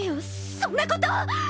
そんなこと！